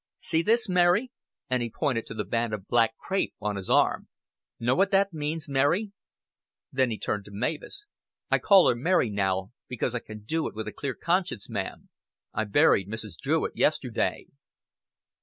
"See this, Mary?" And he pointed to the band of black crape on his arm. "Know what that means, Mary?" Then he turned to Mavis. "I call her Mary now, because I can do it with a clear conscience, ma'am. I buried Mrs. Druitt yesterday."